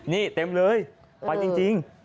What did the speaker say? นี่เต็มเลยไปจริง